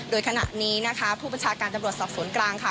โดยขณะนี้นะคะผู้บัญชาการตำรวจศักดิ์ศูนย์กลางค่ะ